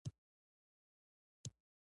کله چې اتومي نمبر معیار وټاکل شو.